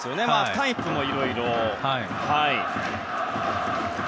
タイプもいろいろ。